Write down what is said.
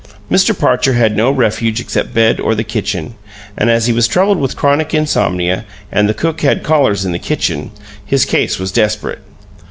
Mr. Parcher had no refuge except bed or the kitchen, and as he was troubled with chronic insomnia, and the cook had callers in the kitchen, his case was desperate.